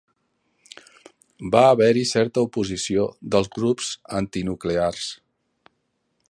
Va haver-hi certa oposició dels grups antinuclears.